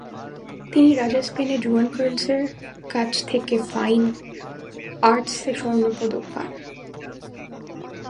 তিনি রাজা স্পেনের জুয়ান কার্লোস-এর কাছ থেকে ফাইন আর্টসে স্বর্ণপদক পান।